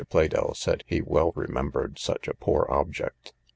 Pleydell said he well remembered such a poor object.